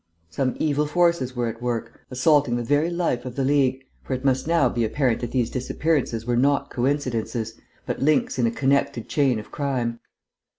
Some evil forces were at work, assaulting the very life of the League, for it must now be apparent that these disappearances were not coincidences, but links in a connected chain of crime.